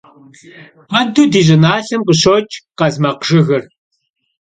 Куэду ди щӏыналъэм къыщокӏ къазмакъжыгыр.